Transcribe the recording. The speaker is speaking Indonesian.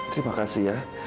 terima kasih ya